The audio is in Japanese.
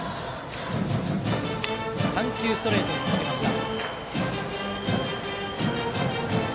３球ストレートを続けました。